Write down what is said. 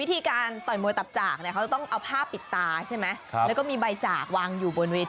อิสไปเลย